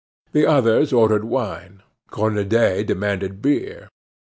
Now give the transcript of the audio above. The others ordered wine; Cornudet demanded beer.